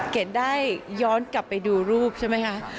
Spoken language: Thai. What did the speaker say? เกดได้ย้อนกลับไปดูรูปใช่ไหมคะ